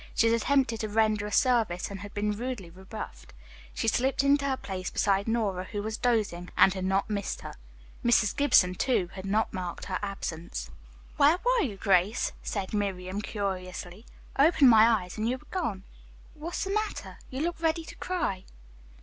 She had attempted to render a service and had been rudely rebuffed. She slipped into her place beside Nora, who was dozing, and had not missed her. Mrs. Gibson, too, had not marked her absence. "Where were you, Grace?" said Miriam curiously. "I opened my eyes and you were gone. What's the matter? You look ready to cry."